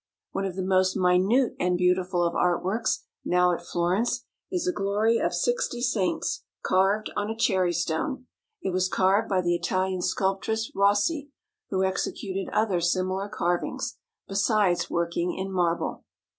One of the most minute and beautiful of art works now at Florence is a glory of sixty saints carved on a cherry stone. It was carved by the Italian sculptress Rossi, who executed other similar carvings, besides working in marble.